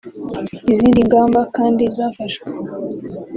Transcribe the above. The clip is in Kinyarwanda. Izindi ngamba kandi zafashwe